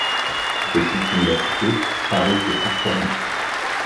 Depuis qu’il l’a quitté, Paris s’est transformé.